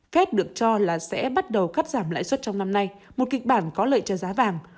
fed được cho là sẽ bắt đầu cắt giảm lãi suất trong năm nay một kịch bản có lợi cho giá vàng